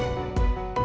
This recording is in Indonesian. aku mau kasih tau